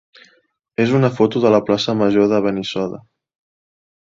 és una foto de la plaça major de Benissoda.